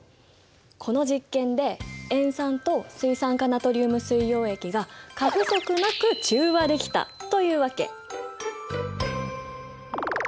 この実験で塩酸と水酸化ナトリウム水溶液が過不足なく中和できたというわけ。